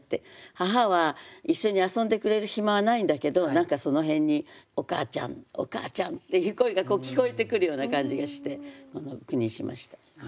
母は一緒に遊んでくれる暇はないんだけど何かその辺に「お母ちゃんお母ちゃん」っていう声が聞こえてくるような感じがしてこの句にしました。